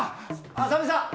浅見さん。